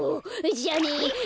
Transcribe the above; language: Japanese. じゃあね。